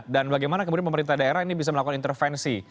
bagaimana kemudian pemerintah daerah ini bisa melakukan intervensi